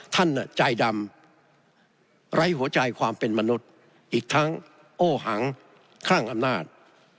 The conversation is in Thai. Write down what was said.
ท่านใจดำไร้หัวใจความเป็นมนุษย์อีกทั้งโอ้หังคลั่งอำนาจ